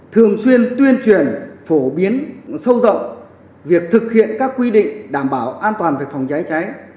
thường xuyên tuyên truyền phổ biến sâu rộng việc thực hiện các quy định đảm bảo an toàn về phòng cháy cháy